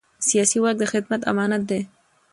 سیاسي واک د خدمت امانت دی